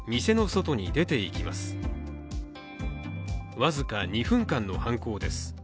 僅か２分間の犯行です。